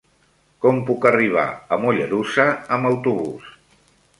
Com puc arribar a Mollerussa amb autobús?